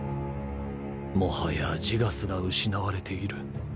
もはや自我すら失われている。